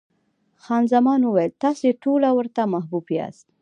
خان زمان وویل، تاسې ټوله ورته محبوب یاست.